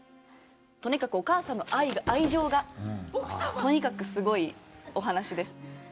とにかくお母さんの愛情がとにかくすごいお話です。